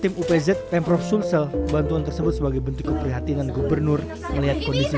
tim upz pemprov sumsel bantuan tersebut sebagai bentuk keprihatinan gubernur melihat kondisi